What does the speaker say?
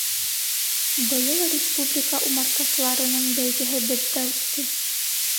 Быйыл республика умартасыларының бәйгеһе беҙҙә үтте.